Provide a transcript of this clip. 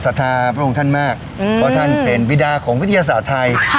ทัทธาพระองค์ท่านมากเพราะท่านเป็นวิดาของวิทยาศาสตร์ไทย